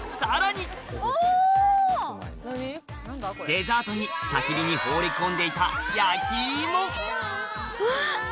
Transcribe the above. デザートにたき火に放り込んでいたうわ！